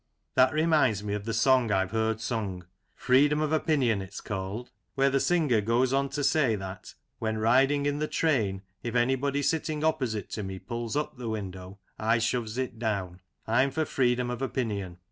That reminds me of the song I've heard sung :" Freedom of Opinion," it's called ; where the singer goes on An Ambrosial Noon. 115 to say that "when riding in the train, if anybody sitting opposite to me pulls up the window, I shoves it down ; I'm for freedom of opinion.